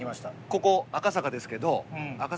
ここ赤坂ですけど。